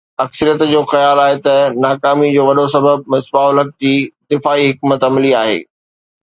اڪثريت جو خيال آهي ته ناڪامي جو وڏو سبب مصباح الحق جي دفاعي حڪمت عملي آهي